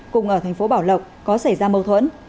cùng ở thành phố bảo lộc có xảy ra mâu thuẫn